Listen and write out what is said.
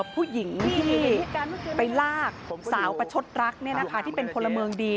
ผู้หญิงที่ไปลากสาวประชดรักที่เป็นพลเมืองดี